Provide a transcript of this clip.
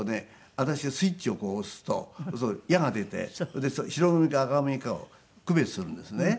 私がスイッチを押すと矢が出て白組か紅組かを区別するんですね。